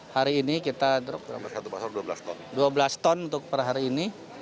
hari ini kita drop terdapat dua belas ton untuk per hari ini